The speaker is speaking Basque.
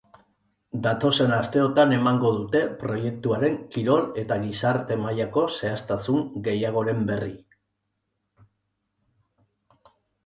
Datozen asteotan emango dute proiektuaren kirol eta gizarte mailako zehaztasun gehiagoren berri.